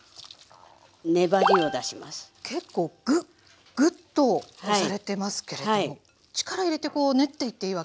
結構グッグッと押されてますけれども力入れてこう練っていっていいわけですか。